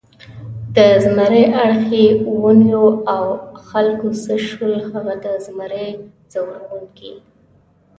د زمري اړخ یې ونیو، آ خلکو څه شول هغه د زمري ځوروونکي؟